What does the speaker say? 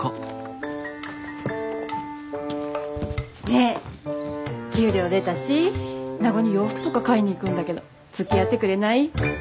ねえ給料出たし名護に洋服とか買いに行くんだけどつきあってくれない？